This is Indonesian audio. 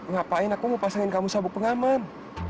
ngapain aku mau pasangin kamu sabuk pengaman